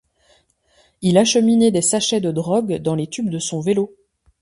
Il acheminait des sachets de drogue dans les tubes de son vélo.